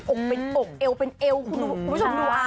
อกเป็นอกเอวเป็นเอวคุณผู้ชมดู